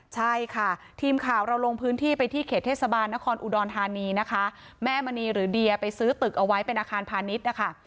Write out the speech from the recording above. ใช่ค่ะทีมข่าวเราลงพื้นที่ไปที่เขตเทศบาลนครอุดรธานีนะคะแม่มณีหรือเดียไปซื้อตึกเอาไว้เป็นอาคารพาณิชย์นะคะ